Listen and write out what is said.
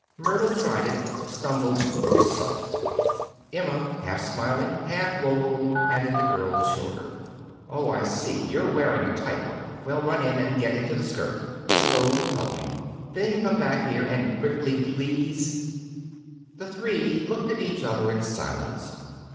Myrtle tried it, stumbled, sulked. Emma, half smiling, half woeful, patted the girl's shoulder. "Oh, I see; you're wearing a tight one. Well, run in and get into the skirt. Miss Loeb will help you. Then come back here and quickly, please." The three looked at each other in silence.